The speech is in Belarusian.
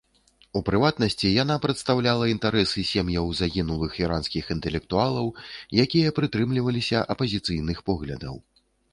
У прыватнасці, яна прадстаўляла інтарэсы сем'яў загінулых іранскіх інтэлектуалаў, якія прытрымліваўся апазіцыйных поглядаў.